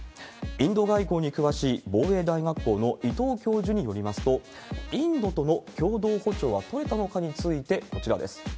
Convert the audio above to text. インド外交に詳しい防衛大学校の伊藤教授によりますと、インドとの共同歩調は取れたのかについて、こちらです。